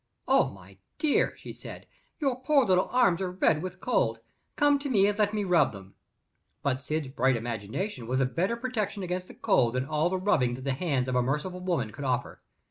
"Oh, my dear," she said, "your poor little arms are red with cold. Come to me and let me rub them." But Syd's bright imagination was a better protection against the cold than all the rubbing that the hands of a merciful woman could offer.